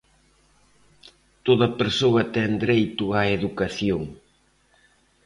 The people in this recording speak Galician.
Toda persoa ten dereito á educación.